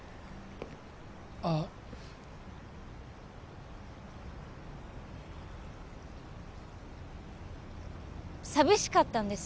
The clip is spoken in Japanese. あっ寂しかったんです